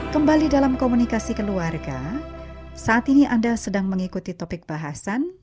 kembali dalam komunikasi keluarga saat ini anda sedang mengikuti topik bahasan